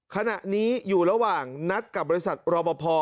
ขณะนี้อยู่ระหว่างนัดกับบริษัทรอบพอ